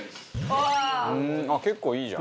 ああ結構いいじゃん」